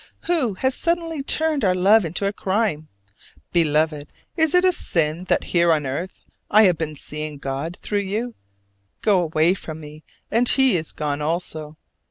Who has suddenly turned our love into a crime? Beloved, is it a sin that here on earth I have been seeing God through you? Go away from me, and He is gone also.